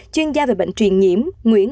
chuyên gia về bệnh truyền nhiễm nguyễn nguyễn